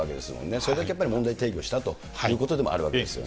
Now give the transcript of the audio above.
それだけやっぱり問題提起をしたということでもあるわけですよね。